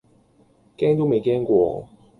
驚都未驚過